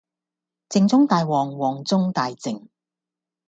靜中帶旺，旺中帶靜